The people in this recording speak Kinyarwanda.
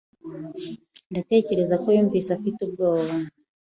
Ndatekereza ko yumvise afite ubwoba.